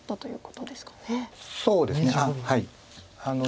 そうですねはい。